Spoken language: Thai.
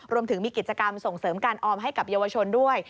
รวมถึงมีกิจกรรมส่งเสริมการออมให้กับเยาวชนด้วย